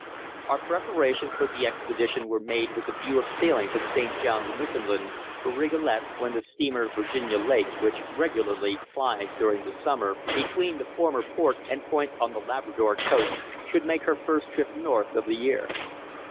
Our preparations for the expedition were made with a view of sailing from St. Johns, Newfoundland, for Rigolet, when the steamer Virginia Lake, which regularly plies during the summer between the former port and points on the Labrador coast, should make her first trip north of the year.